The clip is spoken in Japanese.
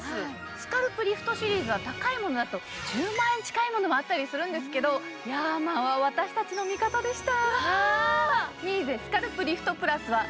スカルプリフトシリーズは高いものだと１０万円近いものもあったりするんですけどヤーマンは私たちの味方でした！